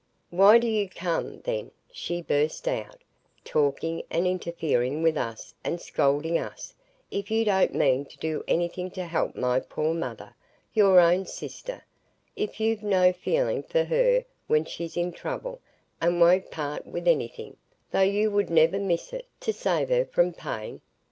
"Why do you come, then," she burst out, "talking and interfering with us and scolding us, if you don't mean to do anything to help my poor mother—your own sister,—if you've no feeling for her when she's in trouble, and won't part with anything, though you would never miss it, to save her from pain?